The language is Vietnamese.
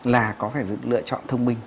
là có phải lựa chọn thông minh